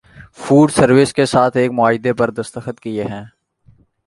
food services کے ساتھ ایک معاہدے پر دستخط کیے ہیں